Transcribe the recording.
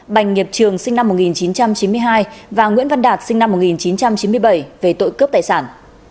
bành nghiệp trường sinh năm một nghìn chín trăm chín mươi hai và nguyễn văn đạt sinh năm một nghìn chín trăm chín mươi bảy về tội cướp tài sản